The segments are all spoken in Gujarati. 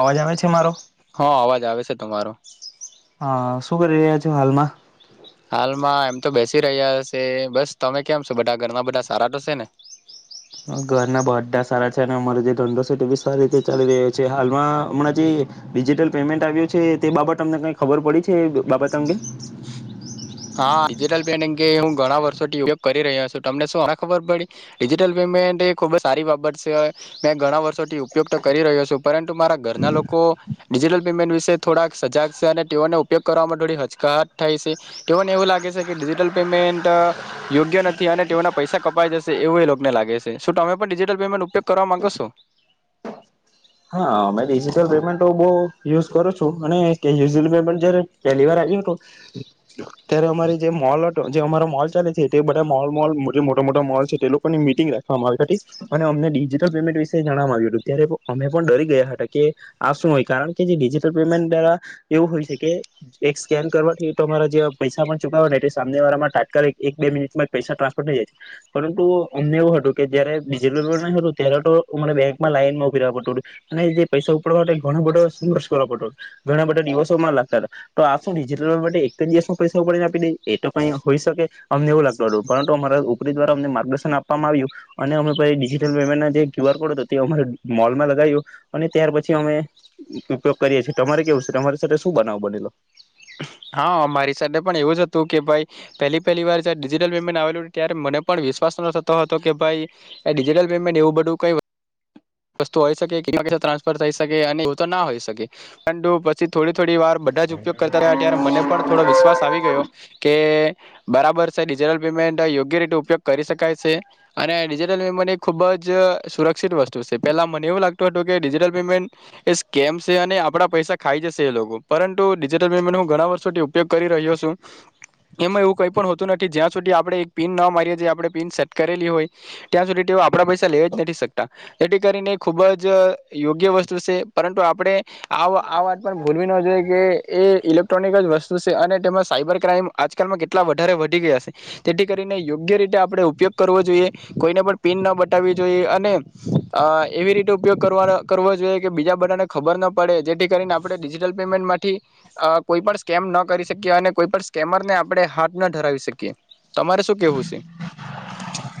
અવાજ આવે છે મારો? હા અવાજ આવે છે તમારો. હુ કરી રહ્યા છો હાલમાં? હાલમાં એમ તો બેસી રહ્યા સે બસ તમે કેમ છો બધા ઘરમાં બધા સારા તો સે ને. ઘરના બધા સારા છે અને અમારો જે ધંધો છે તે બી સારી રીતે ચાલી રહ્યો છે હાલમાં હમણાં જે ડિજિટલ પેમેન્ટ આવ્યું છે તે બાબત અમને કઈ ખબર પડી છે બાબત અંગે. હા ડિજિટલ પેમેન્ટ અંગ હું ઘણા વર્ષોથી ઉપયોગ કરી રહ્યો છું તમને શું હમણાં ખબર પડી ડિજિટલ પેમેન્ટ એ ખુબ જ સારી બાબત છે મેં ઘણા વર્ષો ઉપયોગ કરી રહ્યો છુ પરંતુ મારા ઘરના લોકો ડિજિટલ પેમેન્ટ વિશે થોડાક સજાગ છે અને તેઓને ઉપયોગ કરવાવામાં થોડી હચકાહટ થાય છે. તેઓને એવું લાગે છે કે ડિજિટલ પેમેન્ટ યોગ્ય નથી અને તેઓના પૈસા કપાઈ જશે એવું એ લોકોને લાગે સે શું તમે પણ ડિજિટલ પેમેન્ટ ઉપયોગ કરવા માંગો સો. હા મે ડિજિટલ પેમેન્ટ તો બો યુઝ કરું છું અને પેમેન્ટ જયારે પહેલી વાર આવ્યું હતું અત્યારે અમારી જે મોલ જે અમારા મોલ ચાલે છે તે બધા મોલ મોલ મોટા-મોટા મોલ છે તે લોકોની મિટિંગ રાખવામાં આવી હતી અને અમને ડિજિટલ પેમેન્ટ વિશે જણવા આવ્યું હતું ત્યારે- અમે પણ ડરી ગયા હતા કે આ શું હોય કારણ કે જે ડિજિટલ પેમેન્ટ દ્વારા એવું હોય છે કે એક સ્કેન કરવાથી તો અમારા જે પૈસા પણ ચૂકવા તે સામને વાળામાં તાત્કાલિક એક બે મિનિટમાં પૈસા ટ્રાન્સફર થઈ જાય છે પરંતુ અમને એવું હતું કે જયારે ડિજિટલ પેમેન્ટ ન હતું ત્યારે તો અને બેંકમાં લાઈનમાં ઉભી રેવા પડતું હતું અને જે પૈસા ઉપડવા માટે ઘણો બધો સંઘર્ષ કરવો પડતો હતો ઘણા બધા દિવસોમાં લાગતા હતા તો આ શુ ડિજિટલમાં બધે એક દિવસ પૈસા ઉપડીને આપી દે એ તો ક હોઈ શકે અમને એવું રેવા લાગતું હતું પરંતુ અમારા ઉપરી દ્વારા અમને માર્ગદર્શન આપવામાં આવ્યું અને અમે પછી ડિજિટલ પેમેન્ટ જે ક્યુ આર કોડ હતો તે અમારે મોલમાં લગાવ્યું અને ત્યાર પછી અમે ઉપયોગ કરીએ છીએ તમારે કેવું છે તમારી સાથે શું બનાવ બનેલો. હા મારી સાથે પણ એવું જ હતું કે ભાઈ પહેલી પહેલી વાર જયારે ડિજિટલ પેમેન્ટ આવેલું ત્યારે મને પણ વિશ્વાસ ન થતો હતો કે ભાઈ એ ડિજિટલ પેમેન્ટ એવું બધું કઈ વસ્તુ હોઈ શકે ટ્રાન્સફર થઈ શકે અને એવું તો ના હોઈ શકે પણ પછી થોડી થોડી વાર બધા જ ઉપયોગ કરતા મને પણ થોડો વિશ્વાસ આવી ગયો કે બરાબર છે ડિજટલ પેમેન્ટ યોગ્ય રીતે ઉપયોગ કરી શકાય સે અને ડિજિટલ પેમેન્ટ એ ખુબ જ સુરક્ષિત વસ્તુ સે પેલા મને એવું લાગતું હતું કે ડિજિટલ પેમેન્ટ એ સ્કેમ સે અને આપડા પૈસા ખાઈ જશે એ લોકો પરંતુ ડિજિટલ પેમેન્ટ હું ઘણા વર્ષોથી ઉપયોગ કરી રહ્યો છું એમાં એવું કઈ પણ હોતું નથી જ્યાં સુધી આપણે એક પીન ન મારીએ જે આપણે પીન સેટ કરેલી હોય ત્યાં સુધી તેઓ આપણા પૈસા લેયજ નથી શકતા જેથી કરીને એ ખૂબ જ યોગ્ય વસ્તુ છે પરંતુ આપણે આ વાત પણ ભૂલવી ન જોઈએ કે એ ઇલેક ઇલેક્ટ્રોનિક જ વસ્તુ છે અને તેમાં સાયબર ક્રાાઈમ આજકાલમાં કેટલા વધારે વધી ગયા છે જેથી કરીને યોગ્ય રીતે આપણે ઉપયોગ કરવો જોઈએ કોઈને પણ પિન ન બટાવવી જોઈએ અને એવી રીતે ઉપયોગ કરવાનો કરવો જોઈએ કે બીજા બધાને ખબર ન પડે જેથી કરીને આપણે ડિજિટલ પેમેન્ટમાંથી અ કોઈ પણ સ્કેમ ન કરી શકીએ અને કોઈ પણ સ્કેમરને આપણે હાથ ન ધરાવી શકીએ. તમારે શું કેવું છે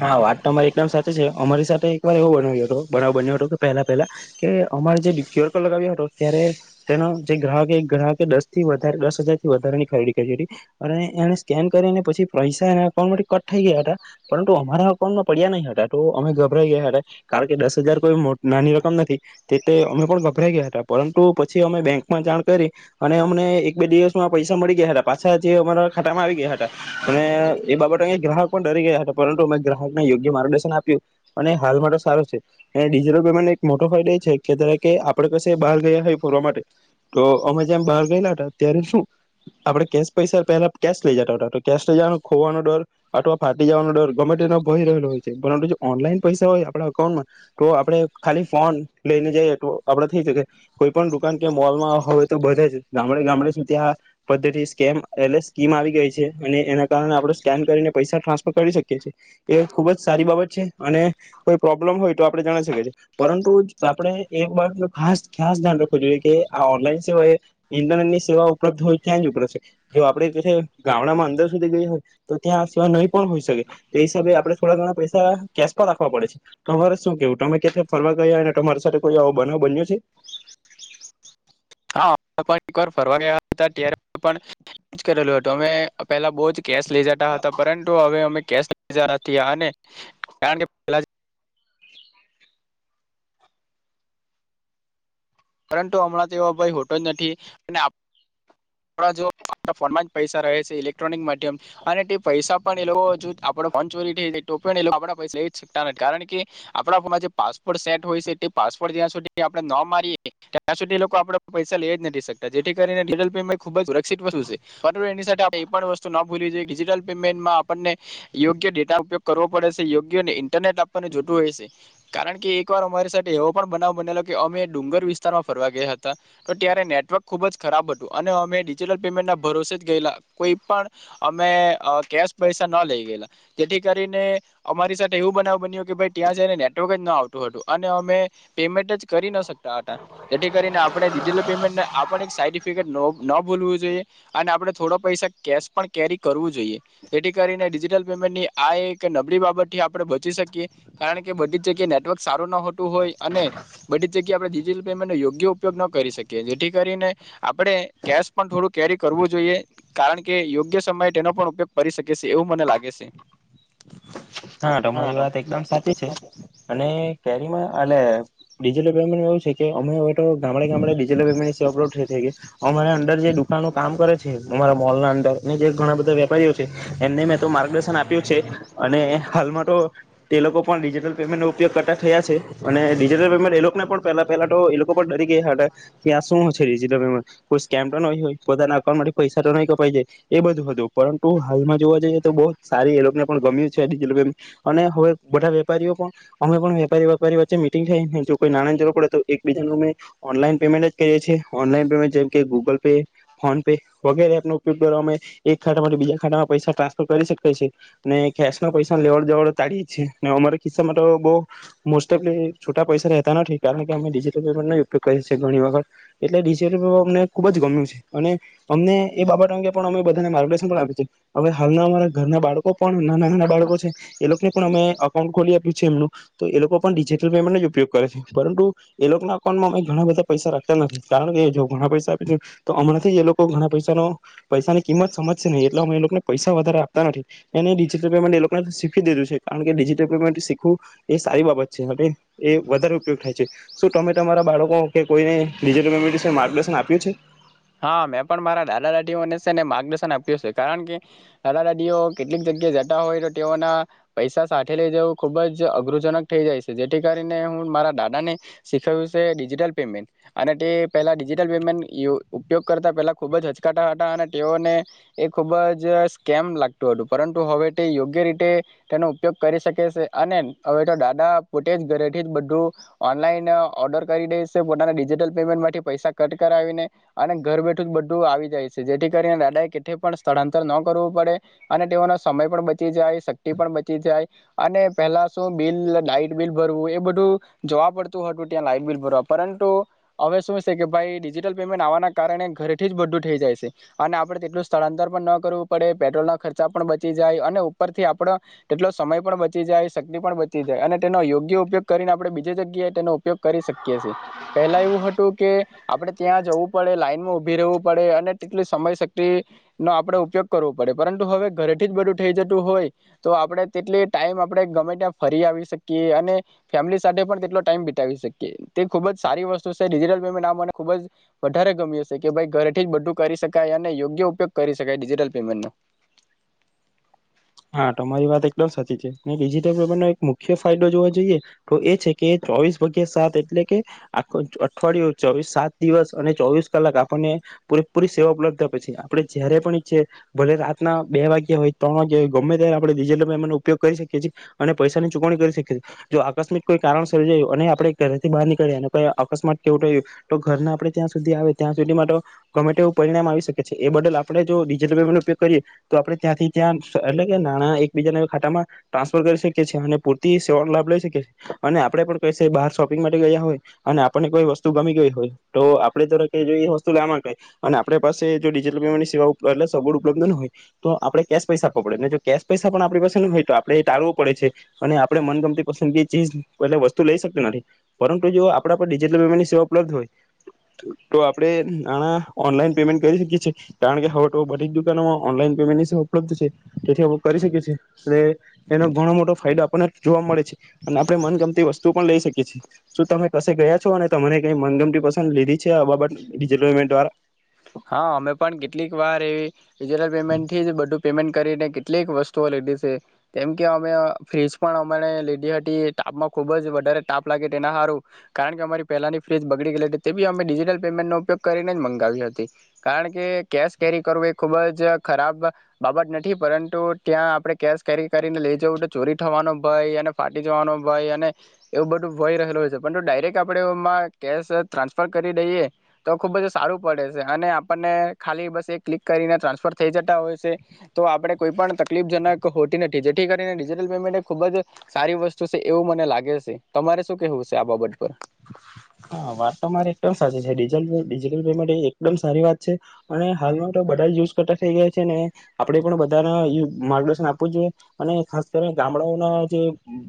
હા વાત તો તમારી એક દમ સાચી છે અમારી સાથે તમારે એવો બનાવ્યો હતો બનાવો બન્યો હતો કે પહેલા પહેલા કે અમારે જે ક્યુ આર કોડ લગાવ્યો હતો ત્યારે તેનો જે ગ્રાહક ગ્રાહકે દસ થી વધારે દસ હજાર થી વધારેની ખરીદી કરી હતી અને એને સ્કેન કરીને પછી પૈસા એના અઉ કટ થઈ ગયા હતા પરંતુ અમારા અકાઉન્ટમાં પડ્યા નહીં હતા તો અમે ગભરાઈ ગયા હતા કારણ કે દસ હજાર કોઈ નાની રકમ નથી તે તે અમે પણ ગભરાઈ ગયા હતા પરંતુ પછી અમે બેંકમાં જાણ કરી અને અમને એક બે દિવસમાં પૈસા મળી ગયા હતા પાછા જે અમારા ખાતામાં આવી ગયા હતા અને એ બાબત અ ગ્રાહક પણ ડરી ગયા હતા પરંતુ અમે ગ્રાહકને યોગ્ય માર્ગદર્શન આપ્યું, અને હાલ માટે સારો છે, એ ડિજિટલ પેમેન્ટ એક મોટો ફાયદો એ છે કે આપડ કશે બહાર ગયા હોય ફોરવા માટે તો અમે જેમ બહાર ગયેલા હતા ત્યારે શું આપણે કેશ પૈસા પહેલા કેશ લઇ જતા હતા તો કેશ લઇ જવાનું. ખોવાનો ડર, અથવા ફાટી જવાનો ડર ગમે તેનો ભય રહેલો હોય છે પરંતુ જો ઓનલાઈન પૈસા હોય આપણા અકાઉન્ટમાં, તો આપડણે ખાલી ફોન લઈને જઈએ આપડે થઈ શકી કોઈ પણ દુકાન કે મોલમાં હોવે તો બધે જ ગામડે ગામડે સુધી આ પદ્ધતિ સ્કેમ એલે સ્કીમ આવી ગઈ છે અને એના આપણે સ્કેન કરીને પૈસા ટ્રાન્સફર કરી શકીએ છીએ, ખુબ જ સારી બાબત છે અને કોઈ પ્રોબ્લમ હોય તો આપણે જણ શકીએ છીએ પરંતુ આપણે એ બાત ન ખાસ ખાસ ધ્યાન રાખવું જોઈએ કે આ ઓનલાઈન સેવા એ ઇન્ટરનેટ ની સેવા ઉપલબ્ધ હોય ત્યાં જ ઉપર છે જો આપણે જે ગામડામાં અંદર- સુધી ગઈ હોય, તો ત્યાં સિવાય નહીં પણ હોઈ શકે તે હિસાબે આપણે થોડા ઘણા પૈસા કેશ પર રાખવા પડે છે, તમારે શું કેવું તમે ક્યાંથી ફરવા ગયા હોય તમારી સાથે કોઈ આવો બનાવ બન્યો છે? વાર ફરવા ગયા કરેલું હતું અમે પેલા બોજ કેશ લઇ જતા હતા પરંતુ હવે અમે કેસ જ અને કારણ કે પલા પરંતુ હમણાં તો ભાઈ હોતો જ નથી, અને આપ ફોનમાં જ પૈસા રહે છે ઇલેક્ટ્રોનિક માધ્યમ, અને તે પૈસા પણ એ લોકો આપ ફોન ચોરી થ તો પણ આપ પૈસા લ શકતા નથી કારણ કે, આપણા ફોનમાં જે પાસપોર્ટ સેટ હોય છે તે પાસપોર્ટ ત્યાં સુધી આપણે ન મારીએ. ત્યાં સુ આપ પૈસા લે જ નથી શકતા જેથી કરીનેટલ પમેન્ટ ખુબ જ રક્ષિત વસ્તુ છે, નીસ્તુ ના ભૂલવી જોઈએટલ પેમેન્ટમાં આપણને યોગ્ય ડેટા ઉપયોગ કરવો પડે છે યોગ્ય ને ઇન્ટરનેટ આપને જોતું હોય છે, કારણ કે એક વાર અમારી સાથે એવો પણ બનાવ બનેલો કે અમે ડુંર વિસ્તારમાં ફરવા ગયા હતા, તો ત્યારે નેટવર્ક ખુબ જ ખરાબ હતું અને અમે ડિજટલ પેમેન્ટ ના ભરોસે જ ગયેલા કોઈ પણ, અમે કેશ પૈસા ન લઈ ગયેલા, જેથી કરીને અમારી સાથે એવું બનાવ બન્યું કે ભાઈ ત્યાં જ ને નેવર્ક જ ન આવ હતું અને અમે, પેમેન્ટ જ કરી ન શક્યા. આપણે ડિજિટલ પેમેન્ટ આ એક સાર્ટિફિકેટ ન ભૂલવું જોઈએ, અને આપણે થોડો પૈસા કેશ પણ કેરી કરવું જોઈએ, જેથી કરીને ડિજિટલ પેમેન્ટની આ એક નબળી બાબત થી આપણે બચી શકીએ, કારણ કે બધી જ જગ્યાએ નેટવર્ક સારું ન હોતું હોય અને બધી જગ્યા આપણે ડિજિટલ પેમેન્ટ ન યોગ્ય ઉપયોગ ન કરી શકીએ જેથી કરીને, આપણે કેશ પણ થોડું કેરી કરવું જોઈએ કારણ કે યોગ્ય સમયે તેનો પણ ઉપયોગ કરી શકી છે એવું મને લાગે છે. હા તમારી વાત એકદમ સાચી છે, અને કેરીમાં એટલે ડિજટલ પેમેન્ટ એવું છે કે. અમે હવે તો ગામડે ગામડે ડિજિટલ વ અપલોડ થ થઈ ગયા, અમારે અંદર જે દુકાાન ન કામ કર છે. છે, અમારા મોલ ના અંદર અને જે ઘણા બધા વેપારીઓ છે, એમને મેં તો માર્ગદર્શન આપ્યું છે, અને હાલમાં તો એ લોકો પણ ડિજિટલ પેમેન્ટનો ઉપયોગ કરતા થયા છે, અને ડિજિટલ પેમેન્ટ એ લોકોને પણ પહેલા પહેલા તો એ લોકો પણ ડરી ગયા હતા કે આ શું છે ડિજિટલ પેમેન્ટ કોઈ સ્કેમ તો નહીં હોય પોતાના અકાઉન્ટ માંથી પૈસા તો નહીં કપાઈ જાય, એ બધું હતું પરંતુ હાલમાં જોવા જઈએ તો બહુ સારી એ લોકોને પણ ગમ્યું છે. અને હવે બધા વેપારીઓ પણ, અમે વેપારી વેપારી વચ્ચે મીટંગ થાય જો કોઈ નાના જર પડે તો એકીજા અમે, ઓનલાન પેમેન્ટ જ કરીએ ઓનલાન પેમેન્ટ જેમકે ગુગલ પે, ફોન પે વગેરે એપ ન ઉપયોગ અમે એક ખા માટે બીજા ખામાં પૈસા ટ્રાન્સફર કરી શકીએ અને પૈસા લેવડ જવડ તાળી છેને અમારા ખિસ્સામાં તો બહ, મોસ્ટ ઓફ છૂટા પૈસા રહેતા નથી કારણ કે અમે ડિજિટલ પેમેન્ટ ન ઉપયોગ કરીી ઘણી વખત એટલે ડિજટલ અમને ખુબ જ ગમ્યું છે અને, અમને એ બાબત અંગે પણ અમે બધાને માર્ગદર્શન પણ આપ્યું છે હવે હાલના અમારા ઘરના બાળકો પણ નાના ના બાળકો છે, પણ અમે અઉ ખોલી આપ્યું છે એમ તો એ લોકો પણિજટલ પેમેન્ટ ઉપયોગ કરે છે, પરંતુ એ લોકોના અઉન્ટમાં અમે ઘણા બધા પૈસા રાખતા નથી કારણ કે જો ઘણા પૈસા આપી તો હમણાંથી એ લોકો ઘણા પૈસા પૈસાની કિંમત સમજશે નહી, એટલે અમે એ લોકોને પૈસા વધારે આપતા નથી એ એ લોકો શીખી દીધું છે કારણ કે ડિજટલ પેમેન્ટ શીખવું એ સારી બાબત છે એ વધારે ઉપયોગ થાય છે શું તમે તમારા બાળકો કે કોઈનેટલમેન્ટ માર્ગદર્શન આપ્યું છે. હા મેં પણ મારા દાદા દાદીઓનેને માર્ગદર્શન આપ્યું છે કારણ કે દાદા દાદીઓ કેટલીક જગ્યા જતા હોય તો તેઓના પૈસા સાથે લઇ જવું ખુબ જ અઘરુંજનક થઇ જાય છે જેથી કરીને હું મારા દાદાને શીખવ્યું છે ડિજિટલ પેમેન્ટ અને તે પહેલા ડિજિટલ પેમેન્ટ ઉપયોગ કરતા પહેલા ખુબ જ હચકાતાા હતા અને તેઓને એ ખૂબ જ સ્કેમ લાગતું હતું પરંતુ હવે તે યોગ્ય રીતે તેનો ઉપયોગ કરી શકે છે અને હવે તો દાદા પોતે જ ઘરેથી જ બધું ઓનલાઈન ઓર્ડર કરી દે છે પોતાના ડિજિટલ પેમેન્ટ થી પૈસા કટ કરાવીને અને ઘર બેઠું જ બધું આવી જાય છે જેથી કરીને દાદા એ કે પણ સ્થળાંતર ન કરવું પડે અને તેઓનો સમય પણ બચી જાય શક્તિ પણ બચી જાય અને પહેલા શું બિલ લાઈટ બિલ ભરવું એ બધું જોવા પડતું હતું ત્યાં લાાઈટ બિલ ભરવા પરંતુ હવે શું છે કે ભાઈ ડિજિટલ પેમેન્ટ આવવાના કારણે ઘરથી જ બધું થઈ જાય છે અને આપણે તેટલું સ્થળાંતર પણ ન કરવું પડે પેટ્રોલના ખર્ચા પણ બચી જાય અને ઉપરથી આપડો તેટલો સમય પણ બચી જાય શક્તિ પણ બચી જાય અને તેનો યોગ્ય ઉપયોગ કરીને આપણે બીજ જગ્યાએ તેનો ઉપયોગ કરી શકીએ છીએ પેલા એવું હતું કે આપડણે ત્યાં જવું પડ લાઈનમાં ઉભી રહેવું પડે અને તેટલી સમય શક્તિ નો આપડે ઉપયોગ કરવો પડે પરંતુ હવે ઘરે થી જ બધું થઈ જતું હોય તો આપણે તેટલી ટાઈમ આપણે ગમે ત્યાં ફરી આવી શકીએ અને ફેમિલી સાથે પણ તેટલો ટાઈમ બતાવી શકીએ તે ખુબ જ સારી વસ્તુ છે ડિજિટલ પેમેન્ટ આ મને ખૂબ વધારે ગમી છે કે ભાઈ ઘર થી જ બધું કરી શકાય અને યોગ્ય ઉપયોગ કરી શકાય ડિજિટલ પેમેન્ટ ન હા તમારી વાત એકદમ સાચી છે ડિજિટલ પેમાન્ટ ન એક મુખ્ય ફાયદો જોવા જોઈએ તો એ છે કે ચોવીસ વાગ્યા સાત એટલે કે આ અઠવાડિયું ચોવીસ સાત દિવસ અને ચોવીસ કલાક આપણને પૂરેપૂરી સેવા ઉપલબ્ધ થ પછી આપડે જયારે પણ ઈચ્છે ભલે રાતના બે વાગ્યા હોય ત્રણ વાગ્યા હોય. ગમે ત્યારે આપણે ડિજિટલ પેમેન્ટનોો ઉપયોગ કરી શકીએ છીએ અને પૈસાની ચૂકવણી કરી શકીએ છીએ જો આ અકસ્મિક કોઈ કારણ સર્જાયું અને આપણે ઘરેથી બહાર નીકળીએ અને અકસ્માત કેવું થયું તો ઘરને આપણે ત્યાં સુધી આવે ત્યાં સુધી ગમે તેવું પરિણામ આવી શકે છે એ બદલ આપણે જો ડિજિટલ પેમેન્ટ નો ઉપયોગ કરીએ તો આપણે ત્યાંથી ત્યાં એટલે કે નાના એકબીજાના ખાતા માં ટ્રાન્સફર કરી શકીએીએ અને પૂરતી સેવાનો લાભ લઈ શકીએ છીએ અને આપડે ક બહાર શોપિંગ માટે ગયા હોય અને આપણને કોઈ વસ્તુ ગમી ગ હોય તો આપણેરા વસ્તુ લ માંગે અને આપ પાસે ડિજિટલ પેમેન્ટની સેવા સબ ઉપલબ્ધ ન હોય તો આપણે પસા આપ પડ જો કેશ પૈસા પણ આપણી પાસે હોય તો આપડે એ ટાળવો પડે છે અને આપણે મનગમતી પસંદગી ચીજ એલે વસ્તુ લઈ શકતી નથી પરંતુ જો આપડા પર ડિજિટલ પેમેન્ટની સેવા ઉપલબ્ધ હોય તો આપડણે આના ઓનલાઈન પેમેન્ટ કરી શકીએ છીએ કારણ કે હવે તો બધી જ દુકાનોમાં ઓનલાઈન પેમેન્ટની સેવા ઉપલબ્ધ છે તેથી આપણે કરી શકીએ છીએ એ એનો ઘણો મોટો ફાયદો આપણને જોવા મળે છે અને આપણે મનગમતી વસ્તુ પણ લઈ શકીએીએ શું તમે કશે ગયા છો અને તમાને કઈ મનગમતી પસંદ લીધી છે આ બાબતટલ પેમેન્ટ દ્વારા હા અમે પણ કેટલીક વાર એવી ડિજિટલ પેમેન્ટથી જ બધું પેમેન્ટ કરીને કેટલીક વસ્તુઓ લીધી છે કેમ કે અમે ફ્રીજ પણ અમારે લીધી હતી તાપમાં ખૂબ જ વધારે તાપ લાગે તે એના સારું કારણ કે અમારી પહેલાંની ફ્રીજ બગડી ગયેલી હતી તે બી અમે ડિજિટલ પેમેન્ટનો ઉપયોગ કરીને જ મંગાવી હતી. કારણ કે કેશ કેરી કરવું એ ખુબ જ ખરાબ બાબત નથી પરંતુ ત્યાં આપડણે કેશ કેરી કરીને લઈ જવું તો ચોરી થવાનો ભય અને ફાટી જવાનો ભય અને એવું બધું ભય રહેલું હોય છે પરંતુ ડાયરેક્ટ આપણે એમાં કેશ ટ્રાન્સફર કરી દઈએ તો ખુબ જ સારું પડે છે. અને આપણને ખાલી બસ એ ક્લિક કરીને ટ્રાન્સફર થઈ જતા હોય છે તો આપડે કોઈ પણ તકલીફજનક હોતી નથી જેથી કરીને ડિજટલ પેમેન્ટ એ ખુબ જ સારી વસ્તુ છે એવું મને લાગે છે તમારે શું કેવું છે આ બાબત પર. હા વાત તો મારે એકદમ સાચી છેટલ પેમેન્ટ એકદમ સારી વાત છે અને હાલમાં તો બધા જ યુઝ કરતા થઈ ગયા છે ને આપડે પણ બધાને માર્ગદર્શન આપવું જોઈએ અને ખાસ કરીને ગામડાઓના જે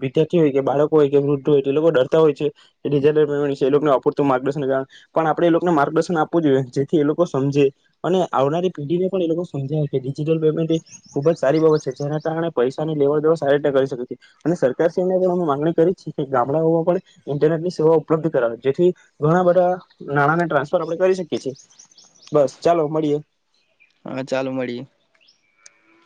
વિદ્યાર્થી હોય કે બાળકો હોય કે વૃદ્ધ હોય તે લોકો ડરતા હોય છેટલન્ટ એને અપૂરતું માર્ગદર્શન કાર પણ આપણે એ લોકોને માર્ગદર્શન આપવું જોઈએ જેથી એ લોકો સમજે અને આવનારી પેઢી ને પણ એ લોકો સમજાય. ડિજિટલ પેમેન્ટ એ ખુબ જ સારી બાબત છે જેના કારણે પૈસાની લેવડ દેવ સારી રીતે કરી શકે છે અને સરકારશ્રીને પણ અમે માંગણી કરી છે કે ગામડાઓમાં પણ ઇન્ટરનેટ ની સેવા ઉપલબ્ધ જેથી ઘણા બધા નાણાને ટ્રાન્સફર આપણે કરી શકી છીએ બસ ચાલો મળીએ. હા ચાલુ મળીએ.